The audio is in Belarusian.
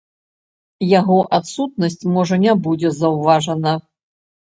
Яго адсутнасць, можа, не будзе заўважана.